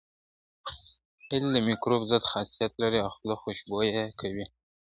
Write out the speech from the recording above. هیل د میکروب ضد خاصیت لري او خوله خوشبویه کوي.